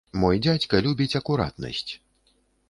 Мой дзядзька любіць акуратнасць.